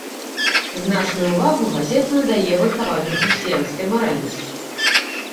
Значную ўвагу газета надае выхаванню хрысціянскай маральнасці.